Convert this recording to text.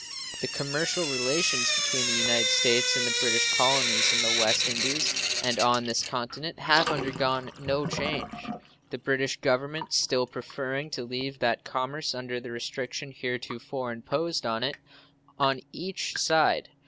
The commercial relations between the United States and the British colonies in the West Indies and on this continent have undergone no change, the British Government still preferring to leave that commerce under the restriction heretofore imposed on it on each side.